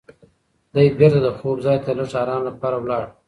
دی بېرته د خوب ځای ته د لږ ارام لپاره لاړ.